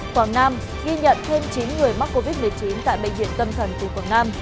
quảng nam ghi nhận thêm chín người mắc covid một mươi chín tại bệnh viện tâm thần tù quận sáu